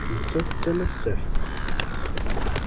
Nettat d tanasaft.